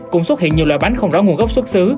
cũng xuất hiện nhiều loại bánh không rõ nguồn gốc xuất xứ